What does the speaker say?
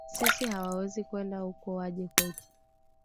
Sisi hawawezi kuenda uko waje kwetu